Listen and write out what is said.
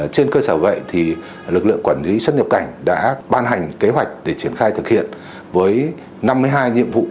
trên cơ sở vậy thì lực lượng quản lý xuất nhập cảnh đã ban hành kế hoạch để triển khai thực hiện với năm mươi hai nhiệm vụ